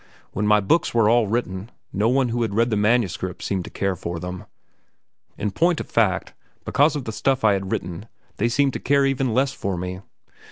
When my books were all written, no one who had read the manuscripts seemed to care for them. In point of fact, because of the stuff I had written they seemed to care even less for me.